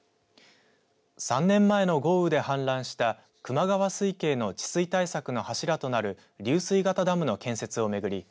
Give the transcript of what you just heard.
３年前の豪雨で氾濫した球磨川水系の治水対策の柱となる流水型ダムの建設を巡り